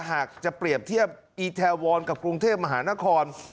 หากจะเปรียบเทียบอีแทวอนกับกรุงเทพมหานคร